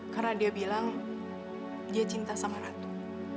karena dia bilang dia cinta sama ratu